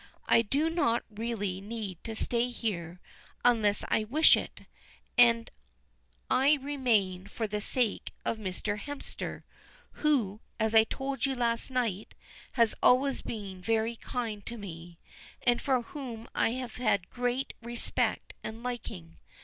I do not really need to stay here unless I wish it, and I remain for the sake of Mr. Hemster, who, as I told you last night, has always been very kind to me, and for whom I have a great respect and liking.